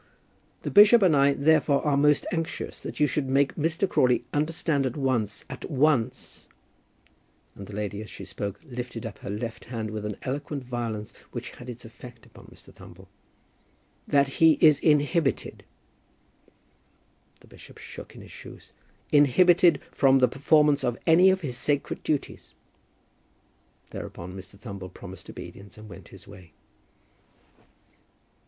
"The bishop and I therefore are most anxious that you should make Mr. Crawley understand at once, at once," and the lady, as she spoke, lifted up her left hand with an eloquent violence which had its effect upon Mr. Thumble, "that he is inhibited," the bishop shook in his shoes, "inhibited from the performance of any of his sacred duties." Thereupon, Mr. Thumble promised obedience and went his way.